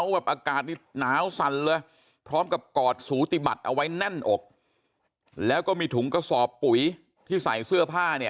แบบอากาศนี่หนาวสั่นเลยพร้อมกับกอดสูติบัติเอาไว้แน่นอกแล้วก็มีถุงกระสอบปุ๋ยที่ใส่เสื้อผ้าเนี่ย